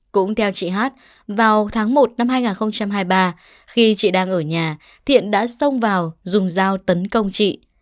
cũng theo chị hát vào tháng một năm hai nghìn hai mươi ba khi chị đang ở nhà thiện đã xông vào dùng dao tấn công chị